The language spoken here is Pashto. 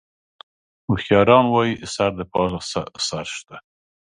هوښیاران وایي: سر د پاسه سر شته.